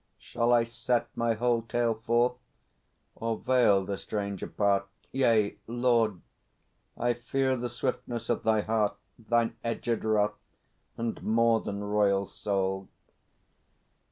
Shall I set My whole tale forth, or veil the stranger part? Yea, Lord, I fear the swiftness of thy heart, Thine edgèd wrath and more than royal soul.